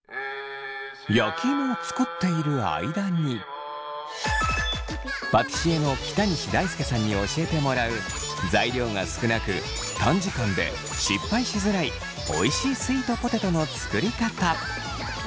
焼き芋を作っている間にパティシエの北西大輔さんに教えてもらう材料が少なく短時間で失敗しづらいおいしいスイートポテトの作りかた。